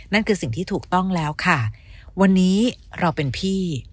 นั่นคือสิ่งที่ถูกต้องแล้วค่ะวันนี้เราเป็นพี่